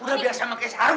udah biasa pakai sarung